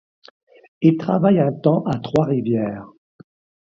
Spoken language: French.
Il travaille un temps à Trois-Rivières.